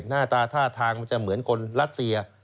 หน้าตาท่าทางมันจะเหมือนคนรัสเซีย